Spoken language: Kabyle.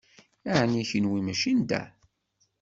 Ɛni kenwi mačči n da?